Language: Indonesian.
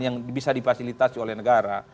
yang bisa difasilitasi oleh negara